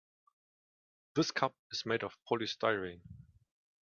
This cup is made of polystyrene.